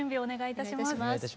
お願いいたします。